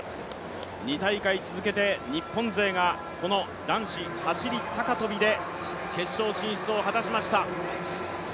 ２大会続けて日本勢がこの男子走高跳で決勝進出を果たしました。